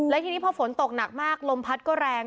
และทีนี้พอฝนตกหนักมากลมพัดก็แรง